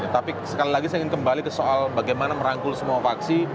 tapi sekali lagi saya ingin kembali ke soal bagaimana merangkul semua vaksi